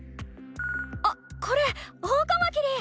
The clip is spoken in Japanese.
あっこれオオカマキリ！